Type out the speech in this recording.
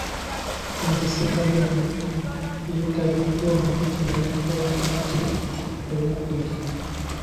Ensisinkano eno yetabiddwamu omumyuka wa Katikkiro owookubiri.